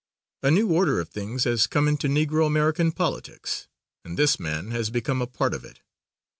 A new order of things has come into Negro American politics and this man has become a part of it.